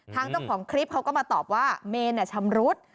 เจ้าของคลิปเขาก็มาตอบว่าเมนชำรุด